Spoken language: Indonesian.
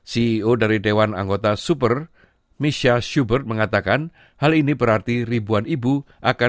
ceo dari dewan anggota super misha schubert mengatakan ini adalah hal yang masuk akal untuk dilakukan